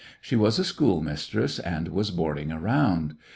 She was a schoolmistress and was hoarding around.